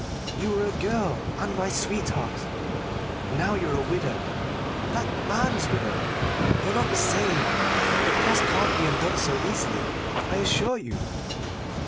"You were a girl, and my sweetheart; now you're a widow that man's widow! You're not the same. The past can't be undone so easily, I assure you."